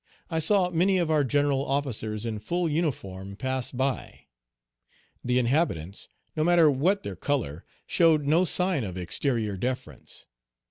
I saw many of our general officers in full uniform pass by; the inhabitants, no matter what their color, showed no sign of exterior deference.